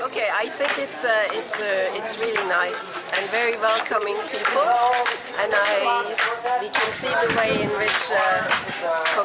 kami berharap bahwa mereka bisa menggunakan kualitas yang lebih baik